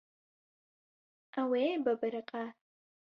Ew ê bibiriqe.